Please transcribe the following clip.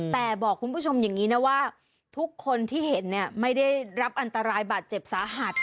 แต่บอกคุณผู้ชมอย่างนี้นะว่าทุกคนที่เห็นเนี่ยไม่ได้รับอันตรายบาดเจ็บสาหัส